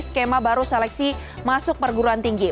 skema baru seleksi masuk perguruan tinggi